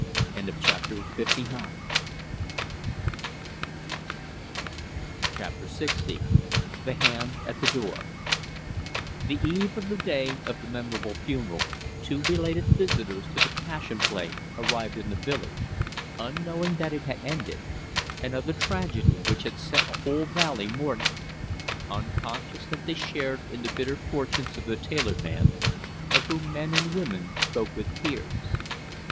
CHAPTER LX. THE HAND AT THE DOOR The eve of the day of the memorable funeral two belated visitors to the Passion Play arrived in the village, unknowing that it had ended, and of the tragedy which had set a whole valley mourning; unconscious that they shared in the bitter fortunes of the tailor man, of whom men and women spoke with tears.